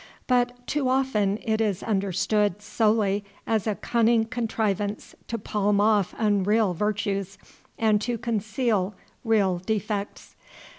But too often it is understood solely as a cunning contrivance to palm off unreal virtues and to conceal real defects.